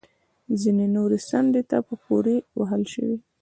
ځینې نورې څنډې ته پورې وهل شوې